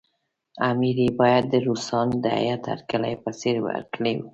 امیر یې باید د روسانو د هیات هرکلي په څېر هرکلی وکړي.